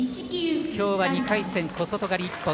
きょうは２回戦、小外刈り一本。